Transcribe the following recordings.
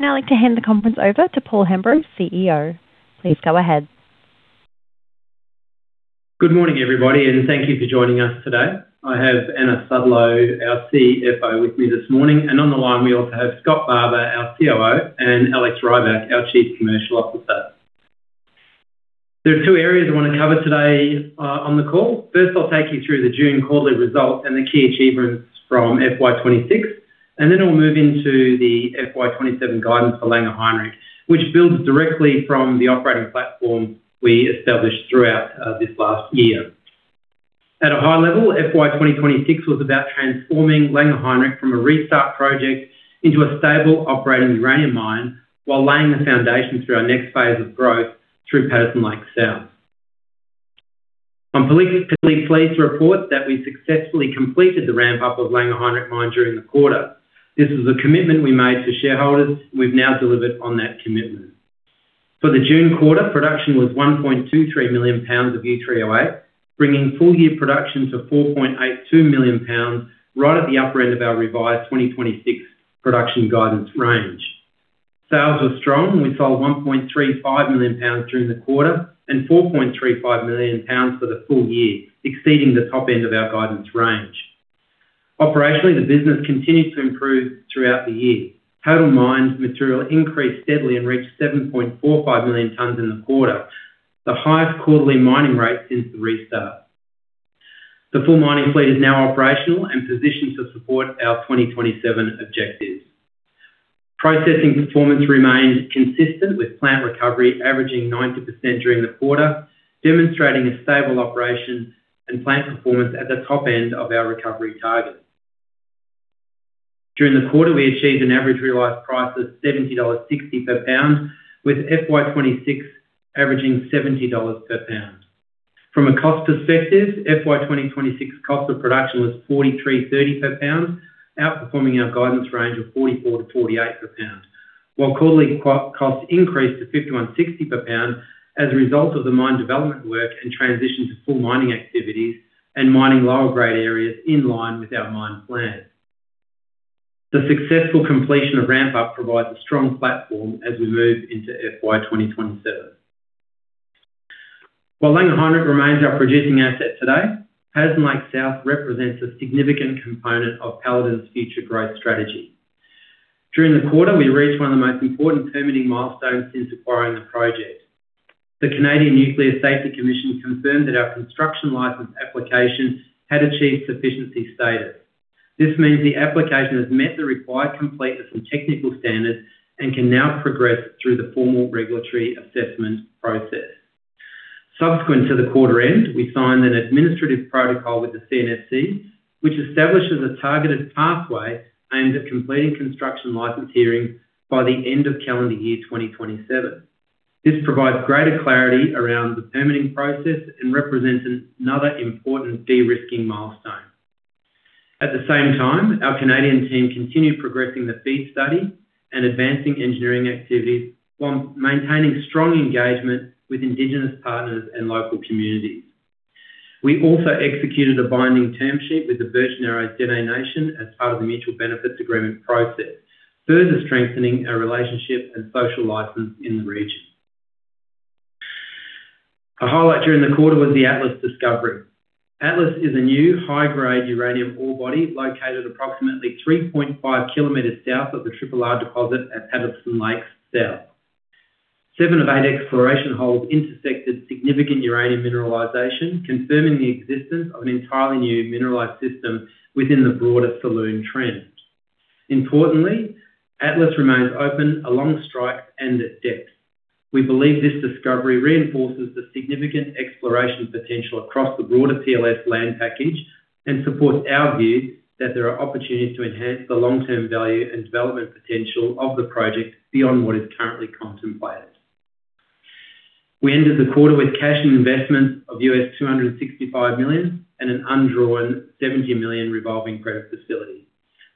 I would now like to hand the conference over to Paul Hemburrow, CEO. Please go ahead. Good morning, everybody, and thank you for joining us today. I have Anna Sudlow, our CFO, with me this morning. On the line, we also have Scott Barber, our COO, and Alex Rybak, our Chief Commercial Officer. There are two areas I want to cover today on the call. First, I'll take you through the June quarterly results and the key achievements from FY 2026. Then I'll move into the FY 2027 guidance for Langer Heinrich, which builds directly from the operating platform we established throughout this last year. At a high level, FY 2026 was about transforming Langer Heinrich from a restart project into a stable operating uranium mine while laying the foundation through our next phase of growth through Patterson Lake South. I'm pleased to report that we successfully completed the ramp up of Langer Heinrich Mine during the quarter. This was a commitment we made to shareholders. We've now delivered on that commitment. For the June quarter, production was 1.23 million pounds of U3O8, bringing full year production to 4.82 million pounds, right at the upper end of our revised 2026 production guidance range. Sales were strong. We sold 1.35 million pounds during the quarter and 4.35 million pounds for the full year, exceeding the top end of our guidance range. Operationally, the business continued to improve throughout the year. Total mined material increased steadily and reached 7.45 million tonnes in the quarter, the highest quarterly mining rate since the restart. The full mining fleet is now operational and positioned to support our 2027 objectives. Processing performance remains consistent, with plant recovery averaging 90% during the quarter, demonstrating a stable operation and plant performance at the top end of our recovery targets. During the quarter, we achieved an average realized price of $70.60 per pound, with FY 2026 averaging $70 per pound. From a cost perspective, FY 2026 cost of production was $43.30 per pound, outperforming our guidance range of $44-$48 per pound. Quarterly costs increased to $51.60 per pound as a result of the mine development work and transition to full mining activities and mining lower grade areas in line with our mine plan. The successful completion of ramp up provides a strong platform as we move into FY 2027. Langer Heinrich remains our producing asset today, Patterson Lake South represents a significant component of Paladin's future growth strategy. During the quarter, we reached one of the most important permitting milestones since acquiring the project. The Canadian Nuclear Safety Commission confirmed that our construction license application had achieved sufficiency status. This means the application has met the required completeness and technical standards and can now progress through the formal regulatory assessment process. Subsequent to the quarter end, we signed an administrative protocol with the CNSC, which establishes a targeted pathway aimed at completing construction license hearing by the end of calendar year 2027. This provides greater clarity around the permitting process and represents another important de-risking milestone. At the same time, our Canadian team continued progressing the FEED study and advancing engineering activities while maintaining strong engagement with indigenous partners and local communities. We also executed a binding term sheet with the Birch Narrows Dene Nation as part of the Mutual Benefits Agreement process, further strengthening our relationship and social license in the region. A highlight during the quarter was the Atlas discovery. Atlas is a new high-grade uranium ore body located approximately 3.5 kilometers south of the Triple R deposit at Patterson Lake South. Seven of eight exploration holes intersected significant uranium mineralization, confirming the existence of an entirely new mineralized system within the broader Saloon Trend. Importantly, Atlas remains open along strike and at depth. We believe this discovery reinforces the significant exploration potential across the broader PLS land package and supports our view that there are opportunities to enhance the long-term value and development potential of the project beyond what is currently contemplated. We ended the quarter with cash and investments of $265 million and an undrawn $70 million revolving credit facility.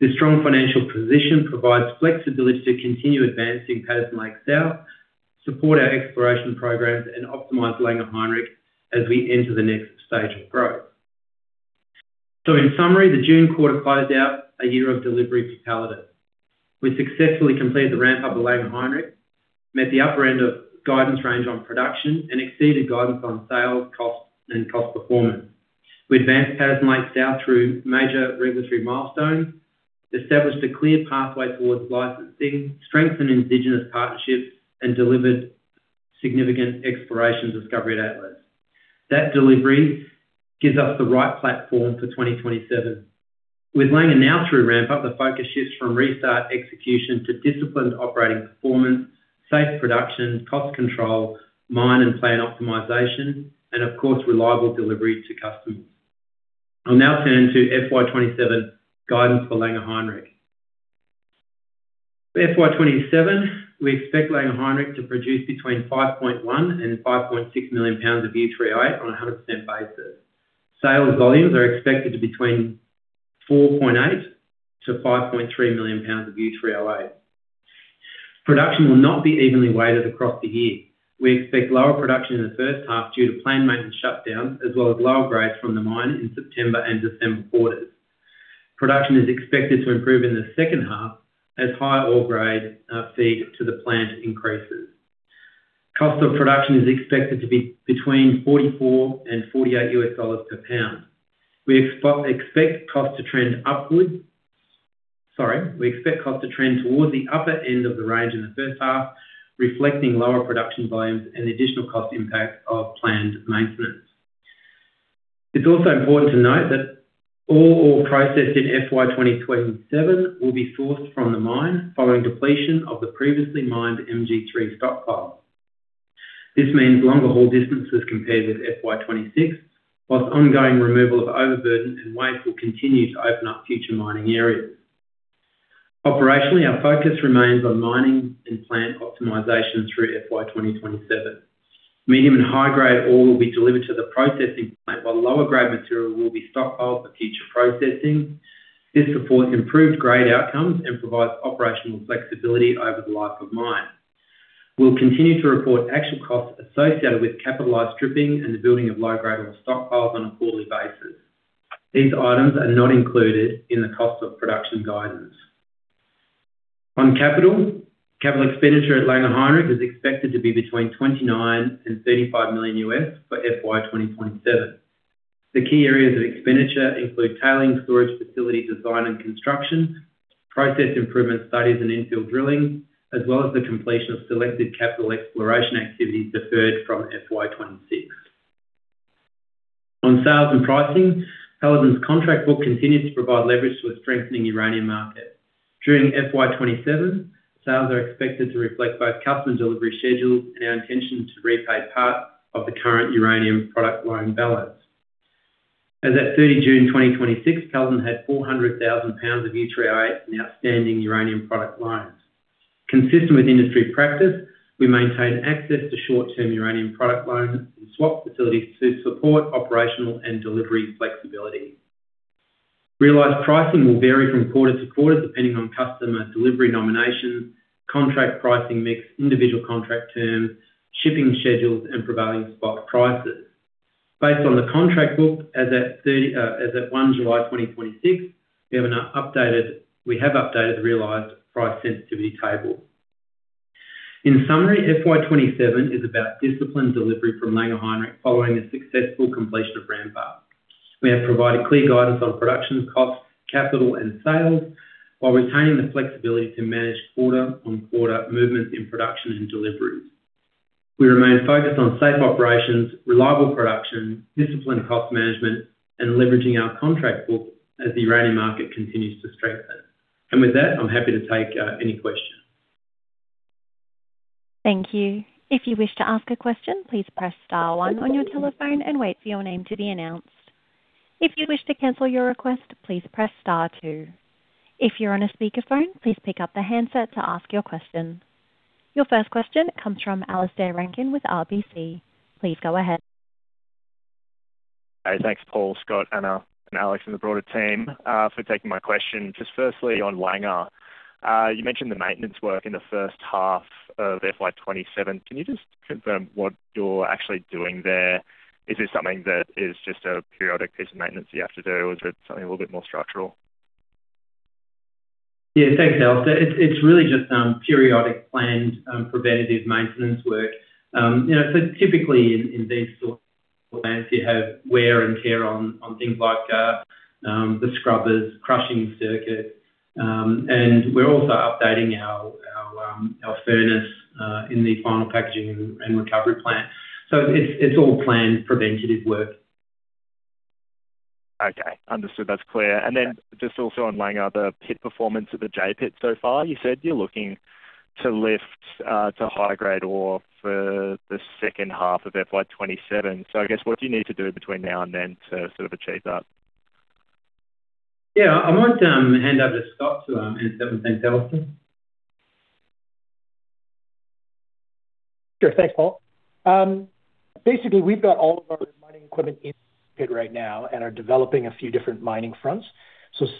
This strong financial position provides flexibility to continue advancing Patterson Lake South, support our exploration programs, and optimize Langer Heinrich as we enter the next stage of growth. In summary, the June quarter closed out a year of delivery for Paladin. We successfully completed the ramp up of Langer Heinrich, met the upper end of guidance range on production and exceeded guidance on sales, costs and cost performance. We advanced Patterson Lake South through major regulatory milestones, established a clear pathway towards licensing, strengthened indigenous partnerships and delivered significant exploration discovery at Atlas. That delivery gives us the right platform for 2027. With Langer now through ramp up, the focus shifts from restart execution to disciplined operating performance, safe production, cost control, mine and plant optimization and of course, reliable delivery to customers. I'll now turn to FY 2027 guidance for Langer Heinrich. For FY 2027, we expect Langer Heinrich to produce between 5.1-5.6 million pounds of U3O8 on 100% basis. Sales volumes are expected to be between 4.8-5.3 million pounds of U3O8. Production will not be evenly weighted across the year. We expect lower production in the first half due to planned maintenance shutdowns, as well as lower grades from the mine in September and December quarters. Production is expected to improve in the second half as higher ore grade feed to the plant increases. Cost of production is expected to be between $44-$48 per pound. We expect cost to trend towards the upper end of the range in the first half, reflecting lower production volumes and the additional cost impact of planned maintenance. It's also important to note that all ore processed in FY 2027 will be sourced from the mine following depletion of the previously mined MG3 stockpile. This means longer haul distances compared with FY 2026, whilst ongoing removal of overburden and waste will continue to open up future mining areas. Operationally, our focus remains on mining and plant optimization through FY 2027. Medium and high-grade ore will be delivered to the processing plant while lower-grade material will be stockpiled for future processing. This supports improved grade outcomes and provides operational flexibility over the life of mine. We'll continue to report actual costs associated with capitalized stripping and the building of low-gradable stockpiles on a quarterly basis. These items are not included in the cost of production guidance. On capital expenditure at Langer Heinrich is expected to be between $29 million-$35 million for FY 2027. The key areas of expenditure include tailings storage facility design and construction, process improvement studies and infill drilling, as well as the completion of selected capital exploration activities deferred from FY 2026. On sales and pricing, Paladin's contract book continues to provide leverage to a strengthening uranium market. During FY 2027, sales are expected to reflect both customer delivery schedules and our intention to repay part of the current uranium product loan balance. As at 30 June 2026, Paladin had 400,000 pounds of U3O8 in outstanding uranium product loans. Consistent with industry practice, we maintain access to short-term uranium product loans and swap facilities to support operational and delivery flexibility. Realized pricing will vary from quarter to quarter depending on customer delivery nominations, contract pricing mix, individual contract terms, shipping schedules, and prevailing spot prices. Based on the contract book as at 1 July 2026, we have updated the realized price sensitivity table. In summary, FY 2027 is about disciplined delivery from Langer Heinrich following the successful completion of ramp-up. We have provided clear guidance on production costs, capital, and sales while retaining the flexibility to manage quarter-on-quarter movements in production and deliveries. We remain focused on safe operations, reliable production, disciplined cost management, and leveraging our contract book as the uranium market continues to strengthen. With that, I'm happy to take any questions. Thank you. If you wish to ask a question, please press star one on your telephone and wait for your name to be announced. If you wish to cancel your request, please press star two. If you're on a speakerphone, please pick up the handset to ask your question. Your first question comes from Alistair Rankin with RBC. Please go ahead. Hey, thanks, Paul, Scott, Anna, and Alex, and the broader team, for taking my question. Just firstly on Langer. You mentioned the maintenance work in the first half of FY 2027. Can you just confirm what you're actually doing there? Is this something that is just a periodic piece of maintenance you have to do, or is it something a little bit more structural? Yeah, thanks, Alistair. It's really just periodic planned preventative maintenance work. Typically in these sorts of plants, you have wear and tear on things like the scrubbers, crushing circuit. We're also updating our furnace in the final packaging and recovery plant. It's all planned preventative work. Okay. Understood. That's clear. Just also on Langer, the pit performance at the J-pit so far. You said you're looking to lift to higher-grade ore for the second half of FY 2027. I guess what do you need to do between now and then to achieve that? Yeah. I might hand over to Scott to answer that one then, Alistair. Sure. Thanks, Paul. Basically, we've got all of our mining equipment in the pit right now and are developing a few different mining fronts.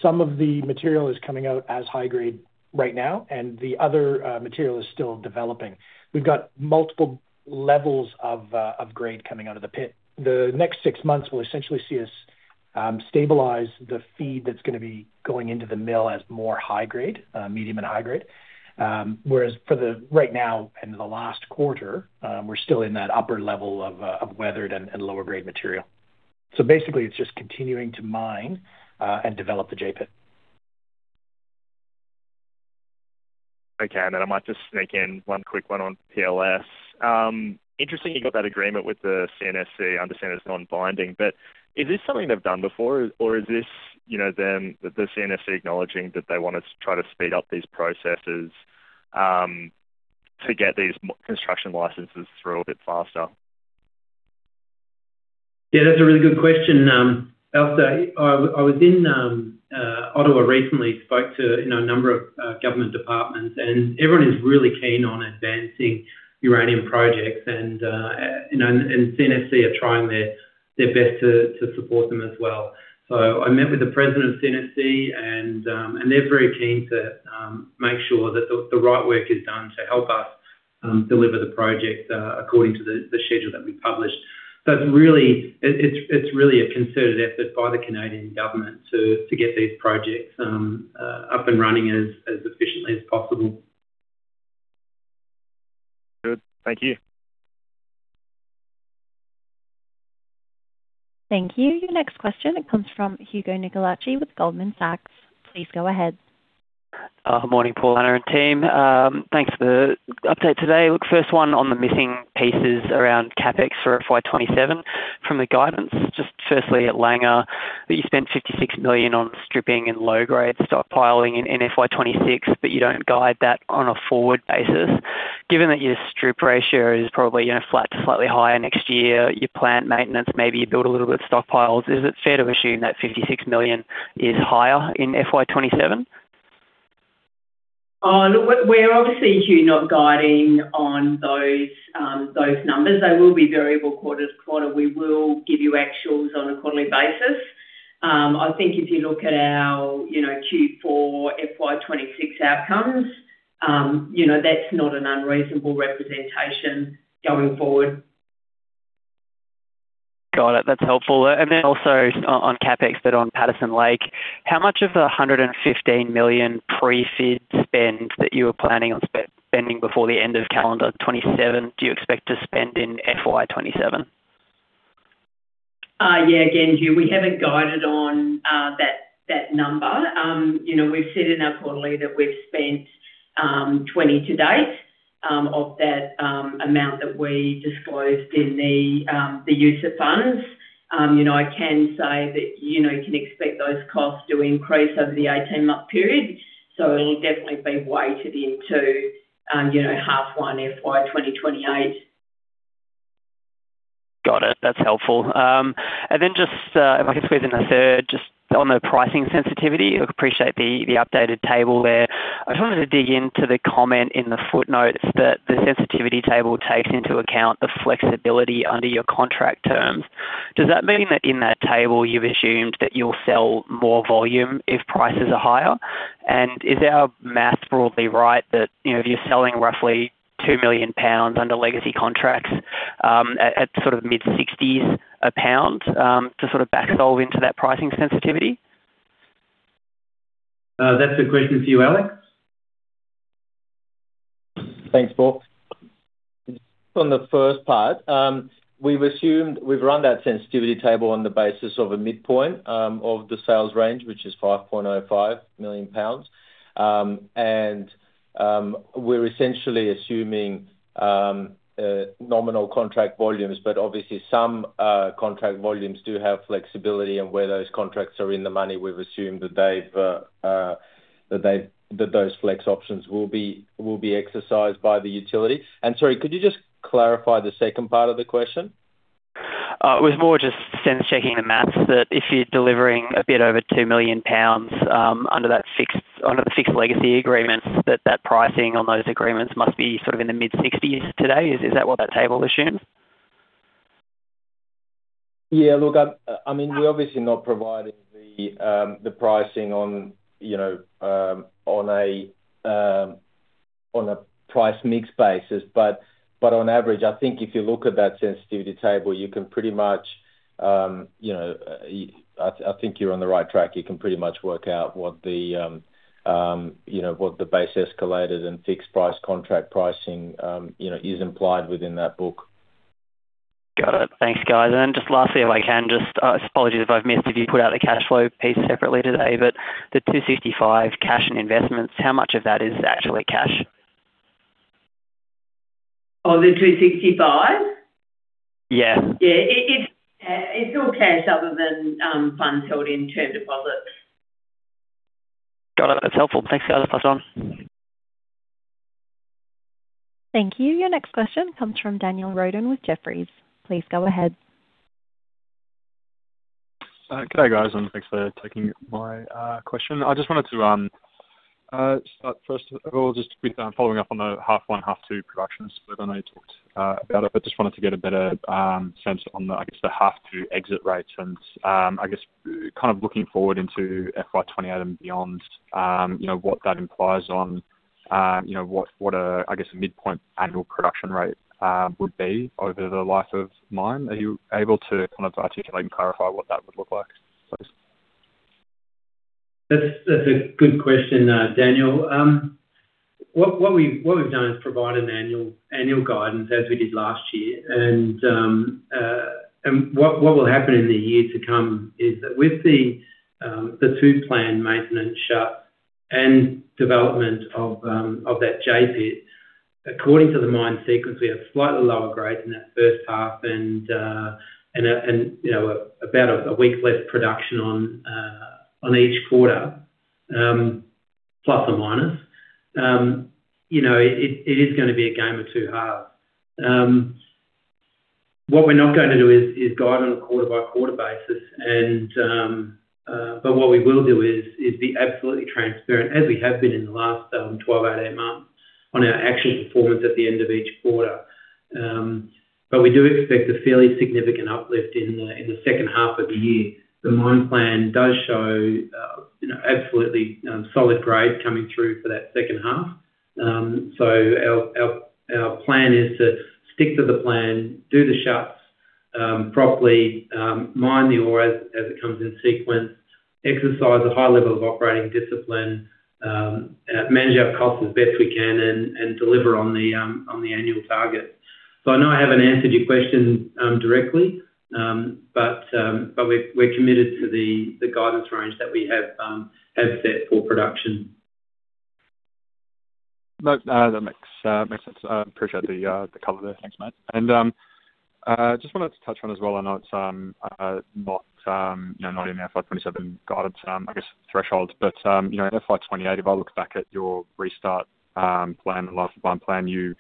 Some of the material is coming out as high-grade right now, and the other material is still developing. We've got multiple levels of grade coming out of the pit. The next six months will essentially see us stabilize the feed that's going to be going into the mill as more high-grade, medium, and high-grade. Whereas for right now and the last quarter, we're still in that upper level of weathered and lower-grade material. Basically, it's just continuing to mine and develop the J-pit. Okay. I might just sneak in one quick one on PLS. Interesting you got that agreement with the CNSC. I understand it's non-binding, but is this something they've done before? Or is this the CNSC acknowledging that they want to try to speed up these processes to get these construction licenses through a bit faster? Yeah, that's a really good question, Alistair. I was in Ottawa recently, spoke to a number of government departments, and everyone is really keen on advancing uranium projects and CNSC are trying their best to support them as well. I met with the president of CNSC, and they're very keen to make sure that the right work is done to help us Deliver the project according to the schedule that we published. It's really a concerted effort by the Canadian government to get these projects up and running as efficiently as possible. Good. Thank you. Thank you. Your next question comes from Hugo Nicolaci with Goldman Sachs. Please go ahead. Morning, Paul, Anna, and team. Thanks for the update today. Look, first one on the missing pieces around CapEx for FY 2027. From the guidance, just firstly at Langer, that you spent $56 million on stripping and low-grade stockpiling in FY 2026, but you don't guide that on a forward basis. Given that your strip ratio is probably flat to slightly higher next year, your plant maintenance, maybe you build a little bit of stockpiles. Is it fair to assume that $56 million is higher in FY 2027? Look, we're obviously, Hugo, not guiding on those numbers. They will be variable quarter to quarter. We will give you actuals on a quarterly basis. I think if you look at our Q4 FY 2026 outcomes, that's not an unreasonable representation going forward. Got it. That's helpful. Also on CapEx, on Patterson Lake. How much of the $115 million pre-FEED spend that you were planning on spending before the end of calendar 2027 do you expect to spend in FY 2027? Yeah. Again, Hugo, we haven't guided on that number. We've said in our quarterly that we've spent $20 [million] to date of that amount that we disclosed in the use of funds. I can say that you can expect those costs to increase over the 18-month period. It'll definitely be weighted into half one FY 2028. Got it. That's helpful. Just if I could squeeze in a third, just on the pricing sensitivity. Appreciate the updated table there. I just wanted to dig into the comment in the footnotes that the sensitivity table takes into account the flexibility under your contract terms. Does that mean that in that table, you've assumed that you'll sell more volume if prices are higher? Is our math broadly right that if you're selling roughly 2 million pounds under legacy contracts, at mid-$60s a pound, to sort of back solve into that pricing sensitivity? That's a question for you, Alex. Thanks, Paul. On the first part, we've run that sensitivity table on the basis of a midpoint of the sales range, which is 5.05 million pounds. We're essentially assuming nominal contract volumes, but obviously some contract volumes do have flexibility. Where those contracts are in the money, we've assumed that those flex options will be exercised by the utility. Sorry, could you just clarify the second part of the question? It was more just sense-checking the maths that if you're delivering a bit over 2 million pounds under the fixed legacy agreements, that pricing on those agreements must be in the mid-$60s today. Is that what that table assumes? Yeah. Look, we're obviously not providing the pricing on a price mix basis. On average, I think if you look at that sensitivity table, I think you're on the right track. You can pretty much work out what the base escalated and fixed price contract pricing is implied within that book. Got it. Thanks, guys. Just lastly, if I can just, apologies if I've missed, if you put out a cash flow piece separately today, but the $265 million cash and investments, how much of that is actually cash? Of the $265 [million]? Yeah. Yeah. It's all cash other than funds held in term deposits. Got it. That's helpful. Thanks, guys. I'll pass on. Thank you. Your next question comes from Daniel Roden with Jefferies. Please go ahead. G'day, guys, Thanks for taking my question. I just wanted to start, first of all, just with following up on the half one, half two production split. I know you talked about it, but just wanted to get a better sense on the, I guess the half two exit rates and, I guess, kind of looking forward into FY 2028 and beyond. What that implies on what a, I guess, a midpoint annual production rate would be over the life of mine. Are you able to kind of articulate and clarify what that would look like, please? That's a good question, Daniel. What we've done is provide an annual guidance as we did last year. What will happen in the year to come is that with the two plan maintenance shut and development of that J-pit, according to the mine sequence, we have slightly lower grades in that first half and about a week less production on each quarter, plus or minus. It is going to be a game of two halves. What we're not going to do is guide on a quarter-by-quarter basis, but what we will do is be absolutely transparent, as we have been in the last 12 out of 18 months, on our actual performance at the end of each quarter. We do expect a fairly significant uplift in the second half of the year. The mine plan does show Absolutely solid grade coming through for that second half. Our plan is to stick to the plan, do the shafts properly, mine the ore as it comes in sequence, exercise a high level of operating discipline, manage our costs as best we can, and deliver on the annual target. I know I haven't answered your question directly, but we're committed to the guidance range that we have set for production. No, that makes sense. I appreciate the color there. Thanks, mate. Just wanted to touch on as well, I know it's not in our FY 2027 guidance, I guess thresholds, but in FY 2028, if I look back at your restart plan and life of mine plan, you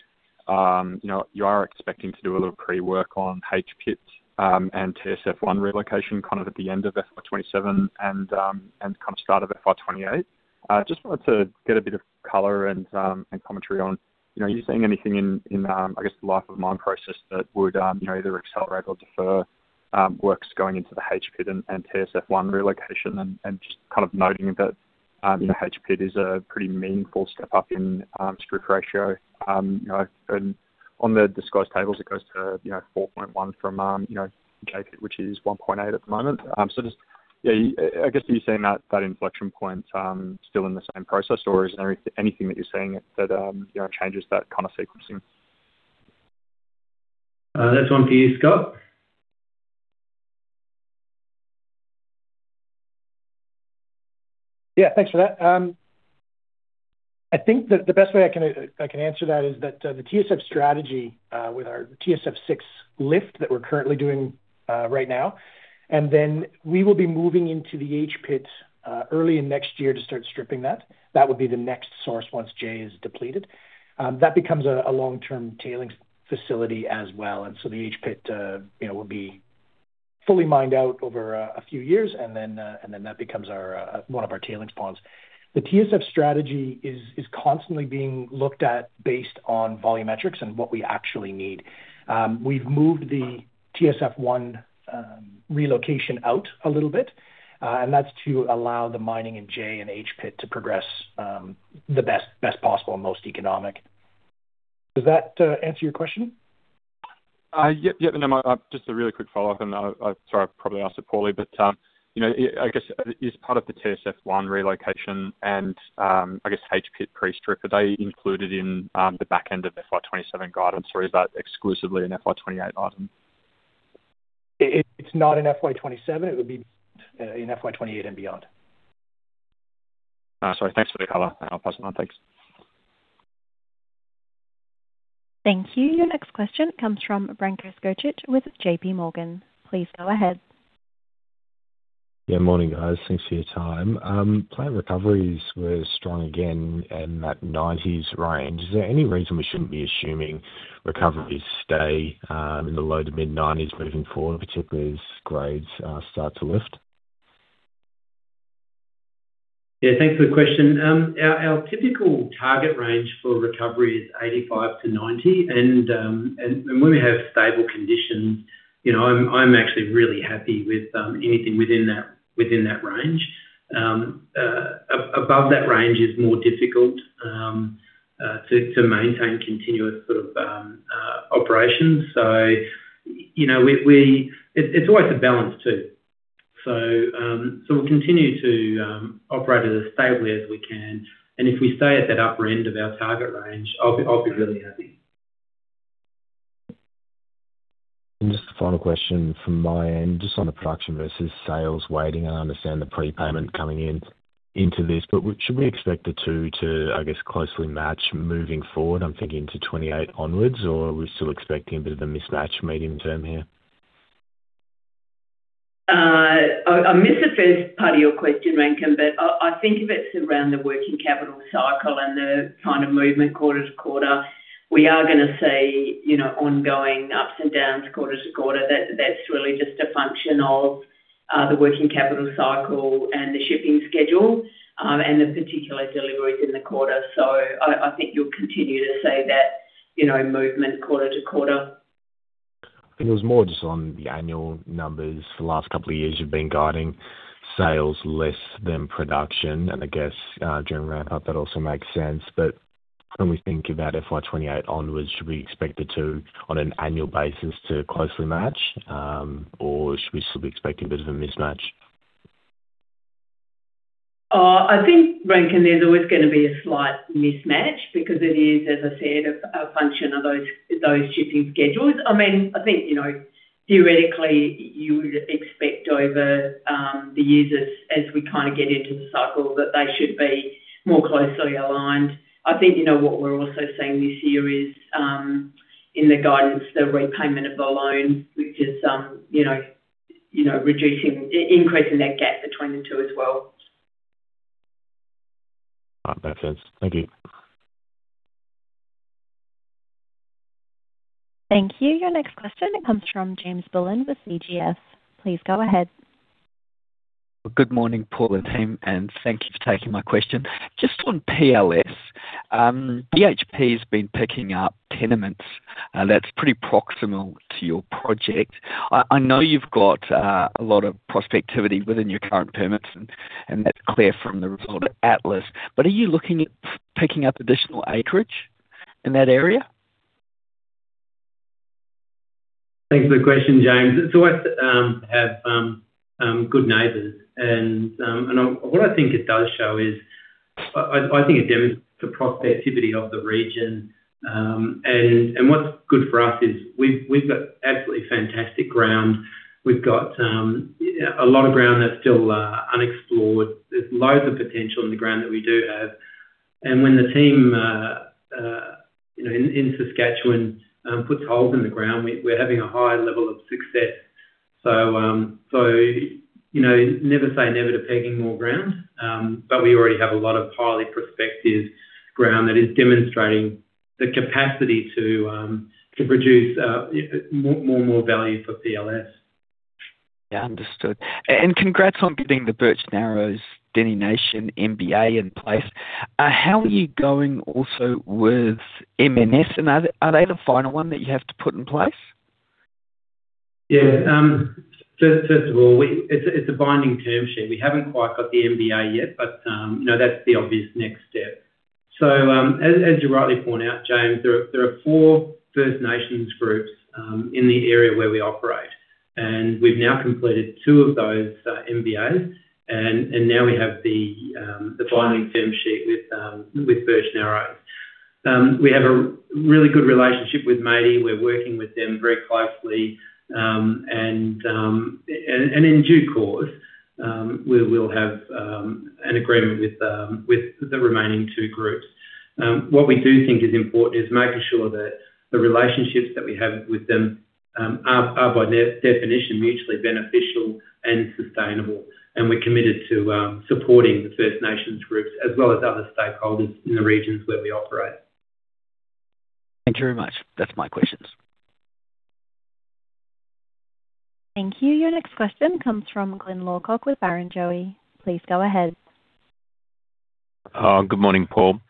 are expecting to do a little pre-work on H-pit, and TSF 1 relocation at the end of FY 2027 and come start of FY 2028. Just wanted to get a bit of color and commentary on, are you seeing anything in the life of mine process that would either accelerate or defer works going into the H-pit and TSF 1 relocation and just noting that H-pit is a pretty meaningful step-up in strip ratio, and on the disclosed tables, it goes to 4.1% from J-pit, which is 1.8% at the moment. Are you seeing that inflection point still in the same process, or is there anything that you're seeing that changes that kind of sequencing? That's one for you, Scott. Yeah. Thanks for that. I think that the best way I can answer that is that the TSF strategy, with our TSF 6 lift that we're currently doing right now, then we will be moving into the H-pit early in next year to start stripping that. That would be the next source once J is depleted. That becomes a long-term tailings facility as well. The H-pit will be fully mined out over a few years, then that becomes one of our tailings ponds. The TSF strategy is constantly being looked at based on volumetrics and what we actually need. We've moved the TSF 1 relocation out a little bit, and that's to allow the mining in J and H pit to progress the best possible and most economic. Does that answer your question? Yep. No, mate. Just a really quick follow-up, and sorry, I probably asked it poorly, but I guess, is part of the TSF 1 relocation and H-pit pre-strip, are they included in the back end of FY 2027 guidance, or is that exclusively an FY 2028 item? It's not in FY 2027. It would be in FY 2028 and beyond. Sorry. Thanks for the color. I'll pass it on. Thanks. Thank you. Your next question comes from Branko Skocic with JPMorgan. Please go ahead. Yeah. Morning, guys. Thanks for your time. Plant recoveries were strong again in that 90s range. Is there any reason we shouldn't be assuming recoveries stay in the low to mid 90s moving forward, particularly as grades start to lift? Thanks for the question. Our typical target range for recovery is 85%-90%, and when we have stable conditions, I'm actually really happy with anything within that range. Above that range is more difficult to maintain continuous operations. It's always a balance, too. We'll continue to operate it as stably as we can, and if we stay at that upper end of our target range, I'll be really happy. Just a final question from my end, just on the production versus sales waiting. I understand the prepayment coming into this, should we expect the two to, I guess, closely match moving forward, I'm thinking to 2028 onwards? Or are we still expecting a bit of a mismatch medium term here? I missed the first part of your question, Branko, I think if it's around the working capital cycle and the kind of movement quarter to quarter, we are going to see ongoing ups and downs quarter to quarter. That's really just a function of the working capital cycle and the shipping schedule, and the particular deliveries in the quarter. I think you'll continue to see that movement quarter to quarter. I think it was more just on the annual numbers. The last couple of years, you've been guiding sales less than production, and I guess during ramp up, that also makes sense. When we think about FY 2028 onwards, should we expect the two on an annual basis to closely match? Should we still be expecting a bit of a mismatch? I think, Branko, there is always going to be a slight mismatch because it is, as I said, a function of those shipping schedules. I think, theoretically, you would expect over the years as we kind of get into the cycle, that they should be more closely aligned. I think what we are also seeing this year is, in the guidance, the repayment of the loan, which is increasing that gap between the two as well. That makes sense. Thank you. Thank you. Your next question comes from James Bullen with CGS. Please go ahead. Good morning, Paul and team, and thank you for taking my question. Just on PLS. BHP has been picking up tenements that's pretty proximal to your project. I know you've got a lot of prospectivity within your current permits, and that's clear from the Atlas resource. Are you looking at picking up additional acreage in that area? Thanks for the question, James. It's always have good neighbors. What I think it does show is, I think it demonstrates the prospectivity of the region. What's good for us is we've got absolutely fantastic ground. We've got a lot of ground that's still unexplored. There's loads of potential in the ground that we do have. When the team in Saskatchewan puts holes in the ground, we're having a high level of success. Never say never to pegging more ground. We already have a lot of highly prospective ground that is demonstrating the capacity to produce more and more value for PLS. Yeah, understood. Congrats on getting the Birch Narrows Dene Nation MBA in place. How are you going also with MNS, and are they the final one that you have to put in place? Yeah. First of all, it's a binding term sheet. We haven't quite got the MBA yet, but that's the obvious next step. As you rightly point out, James, there are four First Nations groups in the area where we operate, and we've now completed two of those MBAs. Now we have the binding term sheet with Birch Narrows. We have a really good relationship with Métis. We're working with them very closely. In due course, we'll have an agreement with the remaining two groups. What we do think is important is making sure that the relationships that we have with them are, by definition, mutually beneficial and sustainable. We're committed to supporting the First Nations groups as well as other stakeholders in the regions where we operate. Thank you very much. That is my questions. Thank you. Your next question comes from Glyn Lawcock with Barrenjoey. Please go ahead. Good morning, Paul.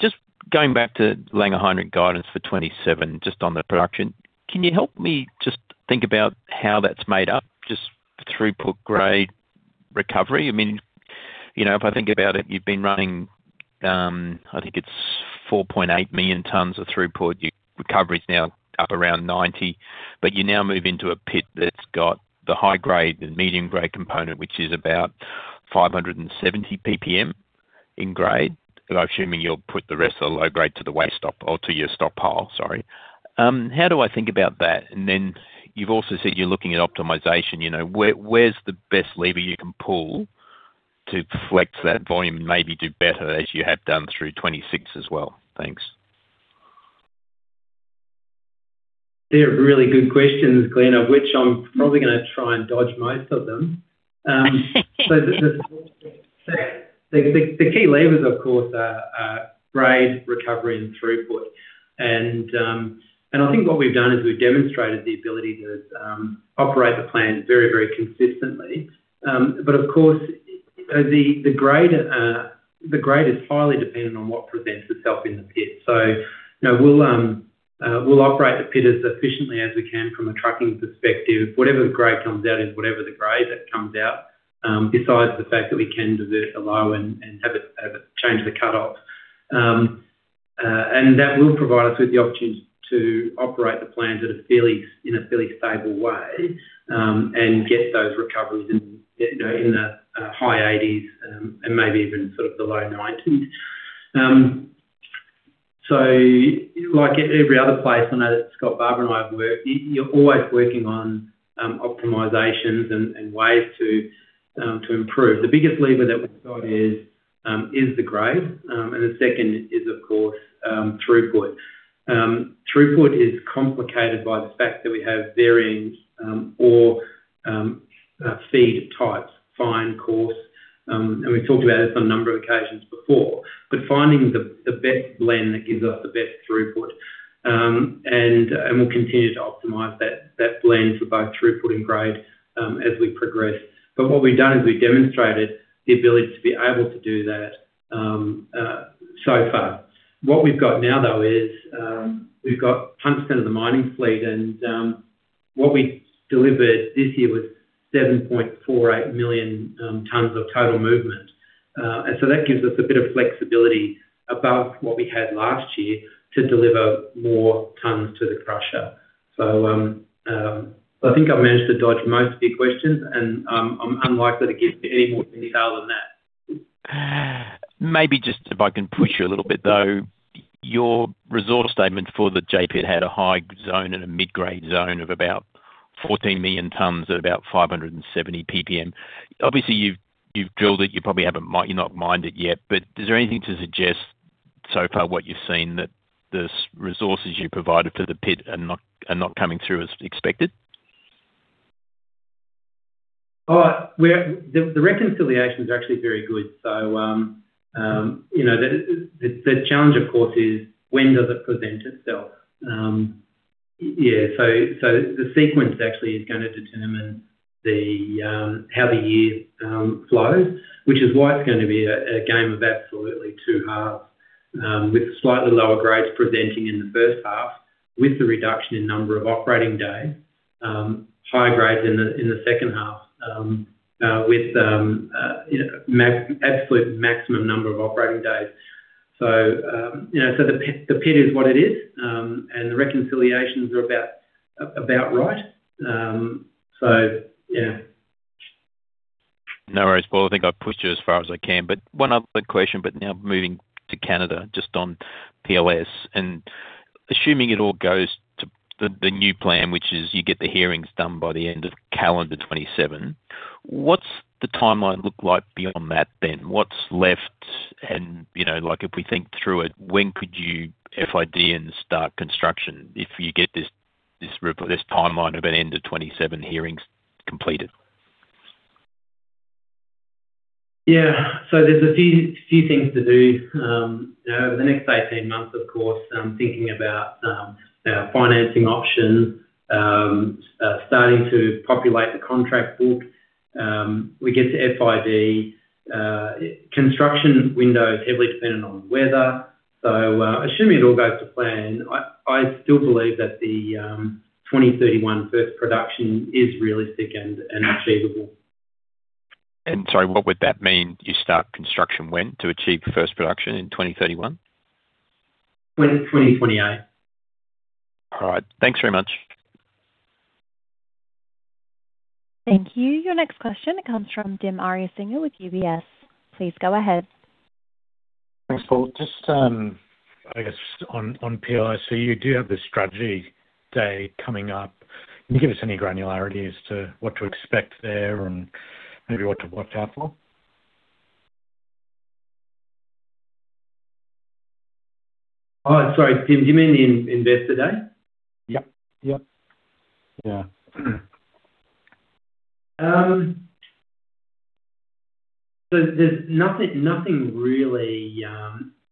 Just going back to Langer Heinrich guidance for 2027, just on the production. Can you help me just think about how that is made up, just throughput grade recovery? If I think about it, you have been running, I think it is 4.8 million tonnes of throughput. Your recovery is now up around 90%. You now move into a pit that has got the high grade and medium grade component, which is about 570 ppm in grade. I am assuming you will put the rest of the low grade to the waste or to your stockpile, sorry. How do I think about that? You have also said you are looking at optimization. Where is the best lever you can pull to flex that volume and maybe do better as you have done through 2026 as well? Thanks. They are really good questions, Glyn, which I am probably going to try and dodge most of them. The key levers, of course, are grade, recovery, and throughput. I think what we have done is we have demonstrated the ability to operate the plant very, very consistently. Of course, the grade is highly dependent on what presents itself in the pit. We will operate the pit as efficiently as we can from a trucking perspective. Whatever grade comes out is whatever the grade that comes out, besides the fact that we can divert a low and have it change the cutoffs. That will provide us with the opportunity to operate the plant in a fairly stable way and get those recoveries in the high-80%s and maybe even sort of the low-90%s. Like every other place, I know that Scott Barber and I have worked, you're always working on optimizations and ways to improve. The biggest lever that we've got is the grade. The second is, of course, throughput. Throughput is complicated by the fact that we have varying ore feed types, fine, coarse. We've talked about this on a number of occasions before. Finding the best blend that gives us the best throughput, and we'll continue to optimize that blend for both throughput and grade as we progress. What we've done is we've demonstrated the ability to be able to do that so far. What we've got now, though, is we've got tonnes down of the mining fleet, and what we delivered this year was 7.48 million tonnes of total movement. That gives us a bit of flexibility above what we had last year to deliver more tons to the crusher. I think I've managed to dodge most of your questions, and I'm unlikely to give any more detail than that. Maybe just if I can push you a little bit, though. Your resource statement for the J-pit had a high zone and a mid-grade zone of about 14 million tons at about 570 ppm. Obviously, you've drilled it. You're not mined it yet. Is there anything to suggest so far what you've seen that the resources you provided for the pit are not coming through as expected? The reconciliation is actually very good. The challenge, of course, is when does it present itself? Yeah. The sequence actually is going to determine how the year flows, which is why it's going to be a game of absolutely two halves. With slightly lower grades presenting in the first half with the reduction in number of operating days, high grades in the second half with absolute maximum number of operating days. The pit is what it is. The reconciliations are about right. Yeah. No worries, Paul. I think I've pushed you as far as I can. One other question, but now moving to Canada, just on PLS. Assuming it all goes to the new plan, which is you get the hearings done by the end of calendar 2027, what's the timeline look like beyond that? What's left? If we think through it, when could you FID and start construction if you get this timeline of an end of 2027 hearings completed? There's a few things to do. Over the next 18 months, of course, thinking about our financing options, starting to populate the contract book. We get to FID. Construction window is heavily dependent on weather. Assuming it all goes to plan, I still believe that the 2031 first production is realistic and achievable. Sorry, what would that mean? You start construction when to achieve first production in 2031? 2028. All right. Thanks very much. Thank you. Your next question comes from Dim Ariyasinghe with UBS. Please go ahead. Thanks, Paul. Just, I guess on PLS. You do have the Strategy Day coming up. Can you give us any granularity as to what to expect there and maybe what to watch out for? Oh, sorry, Dim, do you mean the Investor Day? Yep. Yeah. There's nothing really.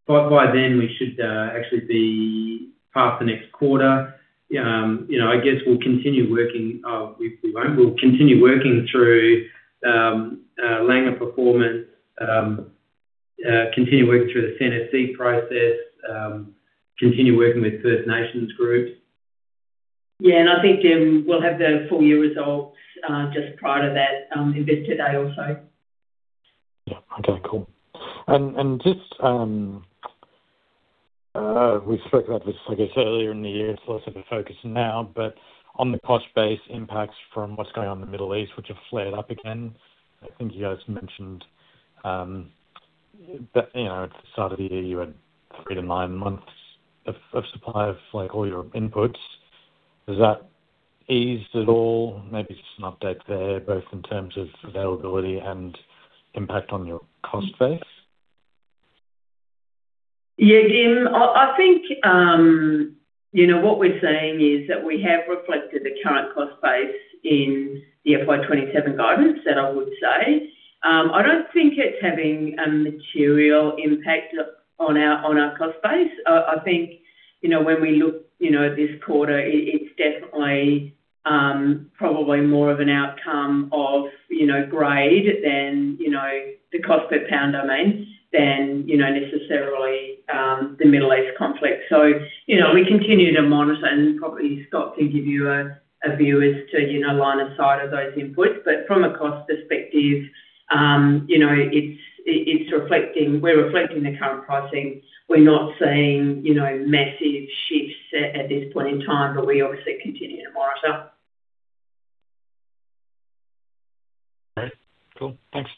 By then, we should actually be past the next quarter. I guess we'll continue working through Langer performance, continue working through the CNSC process, continue working with First Nations groups. Yeah. I think, Dim, we'll have the full year results just prior to that Investor Day also. Yeah. Okay, cool. Just, we spoke about this, I guess, earlier in the year, it's less of a focus now, but on the cost base impacts from what's going on in the Middle East, which have flared up again, I think you guys mentioned that at the start of the year, you had three to nine months of supply of all your inputs. Has that eased at all? Maybe just an update there, both in terms of availability and impact on your cost base. Yeah, Dim, I think what we're seeing is that we have reflected the current cost base in the FY 2027 guidance, that I would say. I don't think it's having a material impact on our cost base. I think when we look at this quarter, it's definitely probably more of an outcome of grade than the cost per pound than necessarily, the Middle East conflict. We continue to monitor and probably Scott can give you a view as to line of sight of those inputs. From a cost perspective, we're reflecting the current pricing. We're not seeing massive shifts at this point in time, but we obviously continue to monitor. All right, cool. Thanks.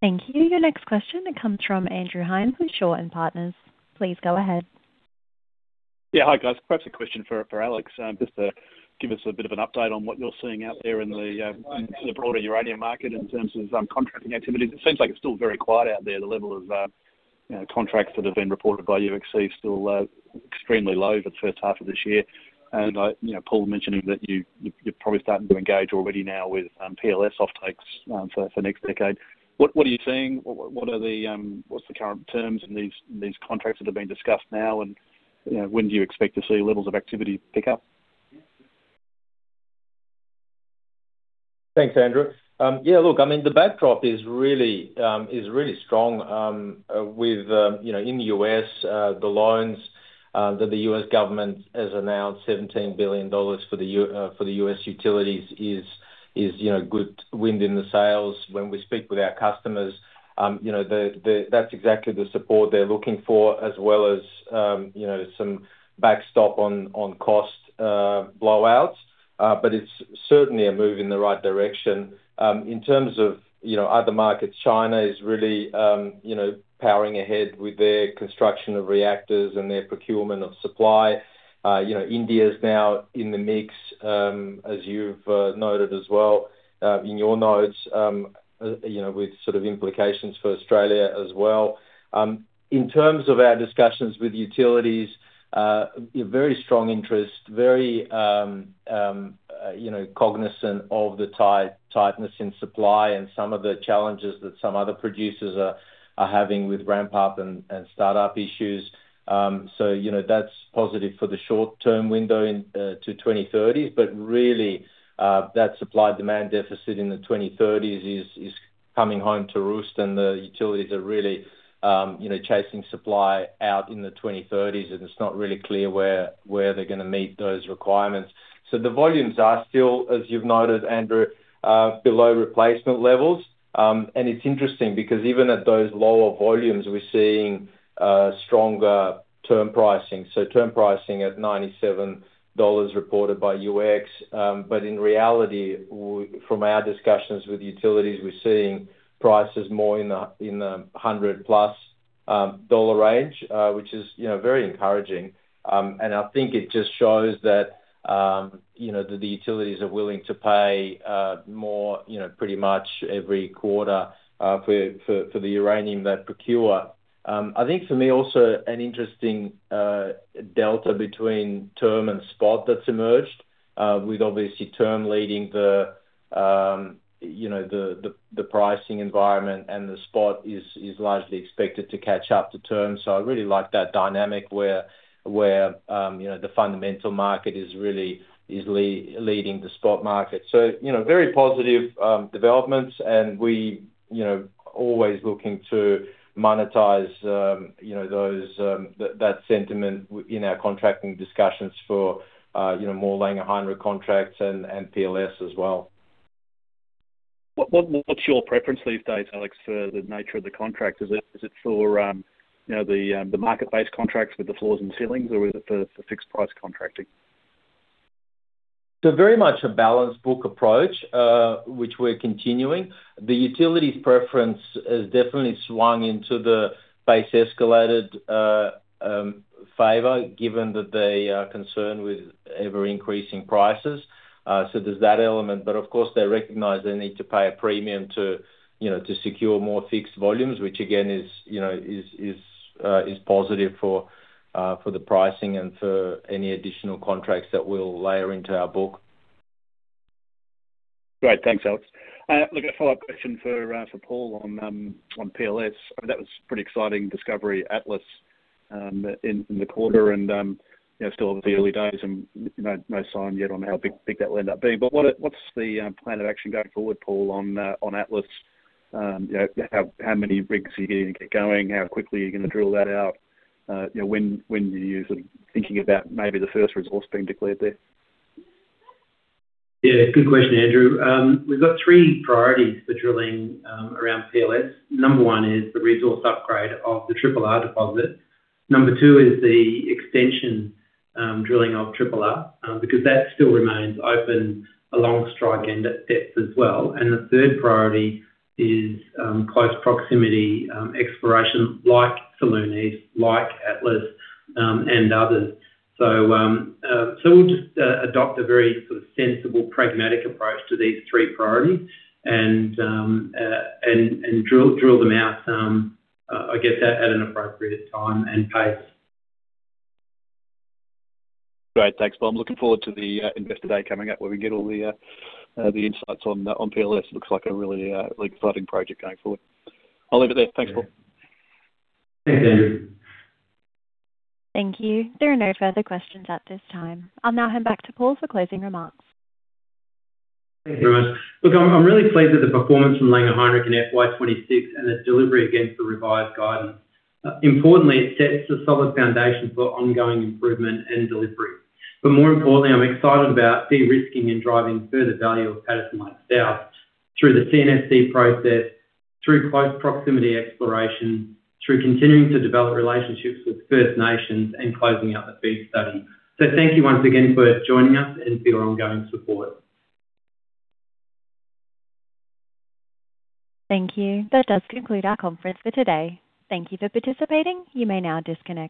Thank you. Your next question comes from Andrew Hines from Shaw and Partners. Please go ahead. Hi, guys. Perhaps a question for Alex, just to give us a bit of an update on what you're seeing out there in the broader uranium market in terms of contracting activities. It seems like it's still very quiet out there. The level of contracts that have been reported by UxC still extremely low for the first half of this year. Paul mentioning that you're probably starting to engage already now with PLS offtakes for next decade. What are you seeing? What's the current terms in these contracts that are being discussed now, and when do you expect to see levels of activity pick up? Thanks, Andrew. Look, I mean, the backdrop is really strong, in the U.S., the loans that the U.S. government has announced, $17 billion for the U.S. utilities is good wind in the sails. When we speak with our customers, that's exactly the support they're looking for, as well as some backstop on cost blowouts. It's certainly a move in the right direction. In terms of other markets, China is really powering ahead with their construction of reactors and their procurement of supply. India is now in the mix, as you've noted as well in your notes, with sort of implications for Australia as well. In terms of our discussions with utilities, very strong interest, very cognizant of the tightness in supply and some of the challenges that some other producers are having with ramp-up and startup issues. That's positive for the short-term window to 2030s. Really, that supply-demand deficit in the 2030s is coming home to roost and the utilities are really chasing supply out in the 2030s, and it's not really clear where they're going to meet those requirements. The volumes are still, as you've noted, Andrew, below replacement levels. It's interesting because even at those lower volumes, we're seeing stronger term pricing. Term pricing at $97 reported by UxC. In reality, from our discussions with utilities, we're seeing prices more in the $100+ range, which is very encouraging. I think it just shows that the utilities are willing to pay more, pretty much every quarter, for the uranium they procure. I think for me, also, an interesting delta between term and spot that's emerged, with obviously term leading the pricing environment and the spot is largely expected to catch up to term. I really like that dynamic where the fundamental market is really leading the spot market. Very positive developments and we always looking to monetize that sentiment in our contracting discussions for more Langer Heinrich contracts and PLS as well. What's your preference these days, Alex, for the nature of the contract? Is it for the market-based contracts with the floors and ceilings, or is it for fixed price contracting? Very much a balance book approach, which we're continuing. The utilities preference has definitely swung into the base escalated favor, given that they are concerned with ever-increasing prices. There's that element, but of course, they recognize they need to pay a premium to secure more fixed volumes, which again is positive for the pricing and for any additional contracts that we'll layer into our book. Thanks, Alex. A follow-up question for Paul on PLS. That was pretty exciting discovery, Atlas, in the quarter and still at the early days and no sign yet on how big that will end up being. What's the plan of action going forward, Paul, on Atlas? How many rigs are you going to get going? How quickly are you going to drill that out? When are you thinking about maybe the first resource being declared there? Good question, Andrew. We've got three priorities for drilling around PLS. Number one is the resource upgrade of the Triple R deposit. Number two is the extension drilling of Triple R, because that still remains open along strike and at depths as well. The third priority is close proximity exploration like Saloon East, like Atlas, and others. We'll just adopt a very sensible, pragmatic approach to these three priorities and drill them out, I guess, at an appropriate time and pace. Great. Thanks, Paul. I'm looking forward to the Investor Day coming up where we get all the insights on PLS. Looks like a really exciting project going forward. I'll leave it there. Thanks, Paul. Thanks, Andrew. Thank you. There are no further questions at this time. I'll now hand back to Paul for closing remarks. Thanks very much. Look, I'm really pleased with the performance from Langer Heinrich in FY 2026 and the delivery against the revised guidance. Importantly, it sets a solid foundation for ongoing improvement and delivery. More importantly, I'm excited about de-risking and driving further value of Patterson Lake South through the CNSC process, through close proximity exploration, through continuing to develop relationships with First Nations and closing out the FEED study. Thank you once again for joining us and for your ongoing support. Thank you. That does conclude our conference for today. Thank you for participating. You may now disconnect.